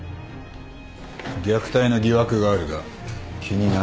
虐待の疑惑があるが気にならないのか？